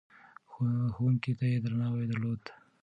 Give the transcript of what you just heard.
ښوونکو ته يې درناوی درلود.